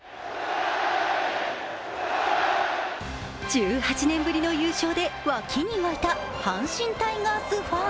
１８年ぶりの優勝で沸きに沸いた阪神タイガースファン。